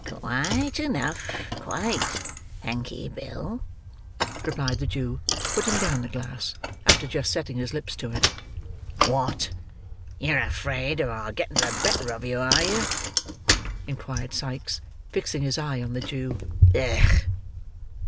"Quite enough, quite, thankye, Bill," replied the Jew, putting down the glass after just setting his lips to it. "What! You're afraid of our getting the better of you, are you?" inquired Sikes, fixing his eyes on the Jew. "Ugh!"